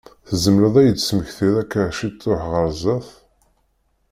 Tzemreḍ ad yi-d-tesmektiḍ akka ciṭuḥ ɣer zzat?